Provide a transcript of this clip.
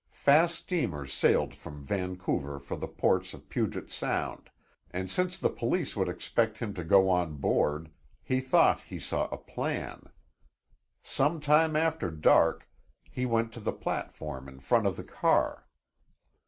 Fast steamers sailed from Vancouver for the ports on Puget Sound, and since the police would expect him to go on board, he thought he saw a plan. Some time after dark he went to the platform in front of the car.